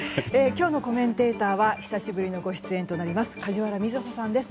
今日のコメンテーターは久しぶりのご出演となります梶原みずほさんです。